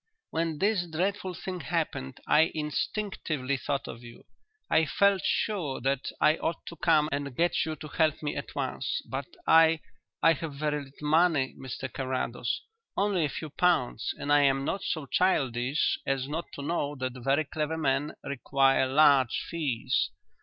"When this dreadful thing happened I instinctively thought of you. I felt sure that I ought to come and get you to help me at once. But I I have very little money, Mr Carrados, only a few pounds, and I am not so childish as not to know that very clever men require large fees.